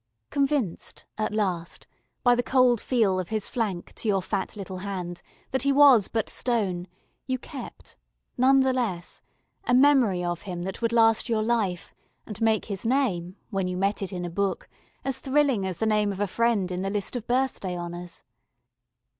Convinced, at last, by the cold feel of his flank to your fat little hand, that he was but stone, you kept, none the less, a memory of him that would last your life, and make his name, when you met it in a book, as thrilling as the name of a friend in the list of birthday honours.